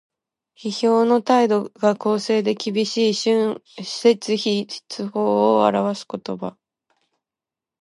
批評の態度が公正できびしい「春秋筆法」を表す語。